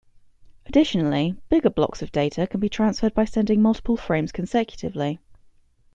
Additionally, bigger blocks of data can be transferred by sending multiple frames consecutively.